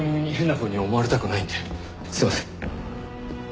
すいません。